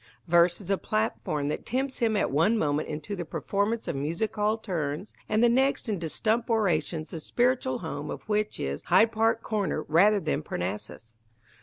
Verse is a platform that tempts him at one moment into the performance of music hall turns and the next into stump orations the spiritual home of which is Hyde Park Corner rather than Parnassus.